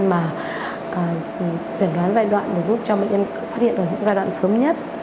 mà chẩn đoán giai đoạn để giúp cho bệnh nhân phát hiện ở những giai đoạn sớm nhất